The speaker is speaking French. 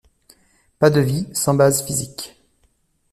Pas de vie sans base physique.